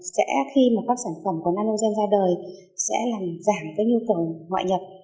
sẽ khi mà các sản phẩm của nanogen ra đời sẽ làm giảm cái nhu cầu ngoại nhập